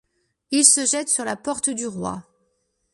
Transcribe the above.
Il se jette sur la porte du roi.